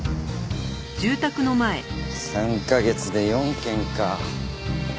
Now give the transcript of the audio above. ３カ月で４件か。